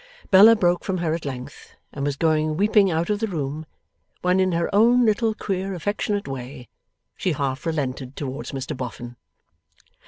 Bella broke from her at length, and was going weeping out of the room, when in her own little queer affectionate way, she half relented towards Mr Boffin.